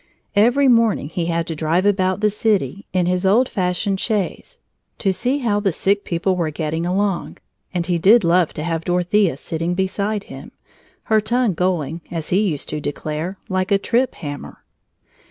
Every morning he had to drive about the city, in his old fashioned chaise, to see how the sick people were getting along, and he did love to have Dorothea sitting beside him, her tongue going, as he used to declare "like a trip hammer."